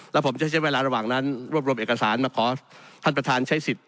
แล้วผมจะใช้เวลาระหว่างนั้นรวบรวมเอกสารมาขอท่านประธานใช้สิทธิ